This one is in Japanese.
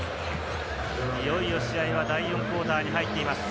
いよいよ試合は第４クオーターに入っています。